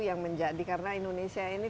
yang menjadi karena indonesia ini